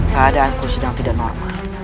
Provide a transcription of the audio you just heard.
keadaanku sedang tidak normal